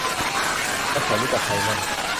และเขารู้จักใครมั่ง